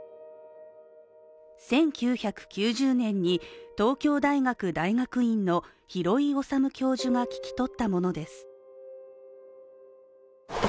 １９９０年に東京大学大学院の廣井脩教授が聞き取ったものです。